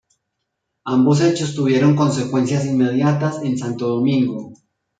Ambos hechos tuvieron consecuencias inmediatas en Santo Domingo.